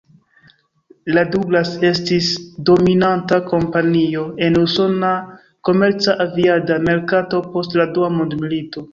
La Douglas estis dominanta kompanio en usona komerca aviada merkato post la dua mondmilito.